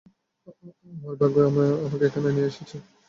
আমার ভাগ্য আমাকে এখানে নিয়ে এসেছে।